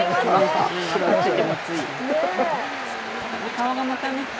顔がまたね。